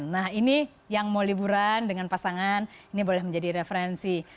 nah ini yang mau liburan dengan pasangan ini boleh menjadi referensi